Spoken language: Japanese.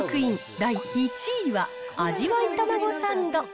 第１位は、味わいタマゴサンド。